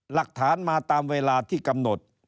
หลักฐานมาตามเวลาที่กำหนด